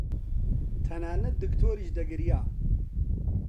تەنانەت دکتۆریش دەگریا.